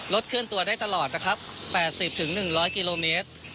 เคลื่อนตัวได้ตลอดนะครับ๘๐๑๐๐กิโลเมตร